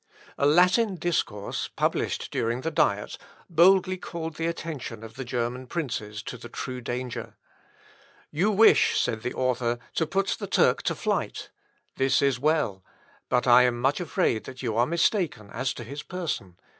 A Latin discourse, published during the Diet, boldly called the attention of the German princes to the true danger. "You wish," said the author, "to put the Turk to flight. This is well; but I am much afraid that you are mistaken as to his person.